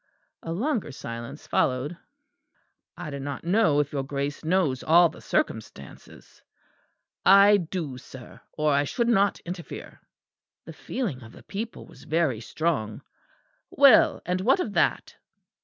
A longer silence followed. "I do not know if your Grace knows all the circumstances." "I do, sir, or I should not interfere." "The feeling of the people was very strong." "Well, and what of that?"